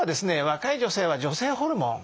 若い女性は女性ホルモン。